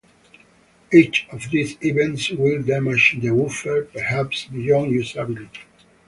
Each of these events will damage the woofer, perhaps beyond usability.